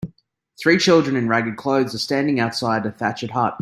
Three children in ragged clothes are standing outside a thatched hut.